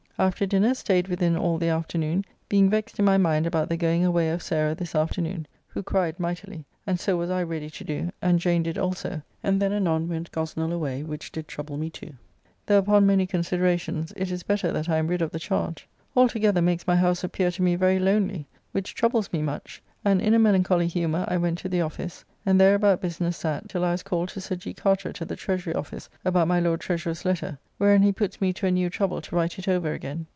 After dinner staid within all the afternoon, being vexed in my mind about the going away of Sarah this afternoon, who cried mightily, and so was I ready to do, and Jane did also, and then anon went Gosnell away, which did trouble me too; though upon many considerations, it is better that I am rid of the charge. All together makes my house appear to me very lonely, which troubles me much, and in a melancholy humour I went to the office, and there about business sat till I was called to Sir G. Carteret at the Treasury office about my Lord Treasurer's letter, wherein he puts me to a new trouble to write it over again.